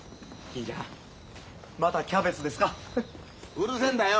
うるせえんだよ。